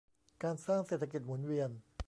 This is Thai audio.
การสร้างเศรษฐกิจหมุนเวียน